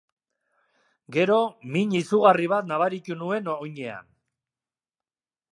Gero, min izugarri bat nabaritu nuen oinean.